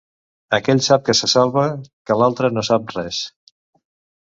Aquell sap que se salva, que l'altre no sap res.